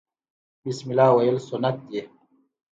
بسم الله ویل سنت دي